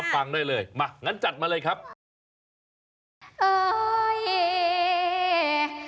น้ำตาตกโคให้มีโชคเมียรสิเราเคยคบกันเหอะน้ำตาตกโคให้มีโชค